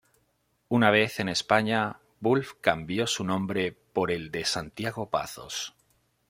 Una vez en España, Wulf cambió su nombre por el de Santiago Pazos.